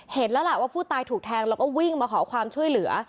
เห็นแล้วล่ะว่าผู้ตายถูกแทงแล้วก็วิ่งมาขอความช่วยเหลือ